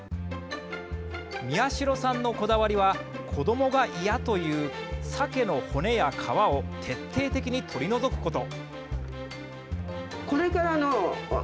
宮城さんのこだわりは子どもが嫌というさけの骨や皮を徹底的に取り除くこと。